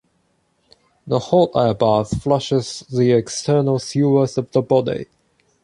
The hot-air bath flushes the external sewers of the body.